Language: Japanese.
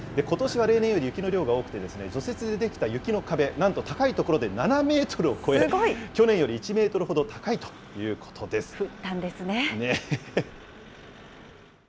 ことしは例年より雪の量が多くて、除雪できた雪の壁、なんと高い所で７メートルを超え、去年より１メートルほど高いということです。